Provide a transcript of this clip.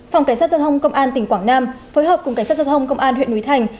phòng cảnh sát giao thông công an tỉnh quảng nam phối hợp cùng cảnh sát giao thông công an huyện núi thành